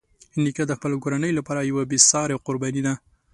نیکه د خپلې کورنۍ لپاره یوه بېساري قرباني ده.